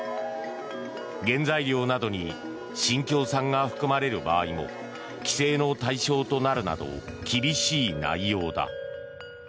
原材料などに新疆産が含まれる場合も規制の対象となるなど厳しい内容だ。